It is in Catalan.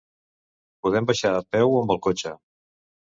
Podem baixar a peu o amb el cotxe.